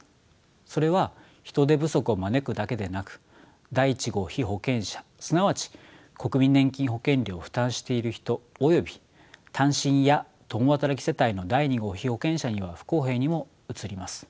それは人手不足を招くだけでなく第１号被保険者すなわち国民年金保険料を負担している人および単身や共働き世帯の第２号被保険者には不公平にも映ります。